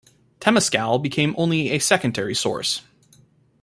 Temescal became only a secondary source.